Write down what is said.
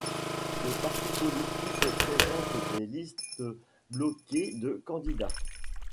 Les partis politiques présentent des listes bloquées de candidats.